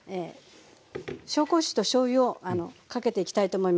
紹興酒としょうゆをかけていきたいと思います。